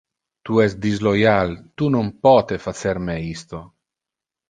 Tu es disloyal, tu non pote facer me isto!